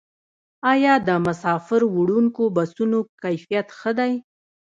آیا د مسافروړونکو بسونو کیفیت ښه دی؟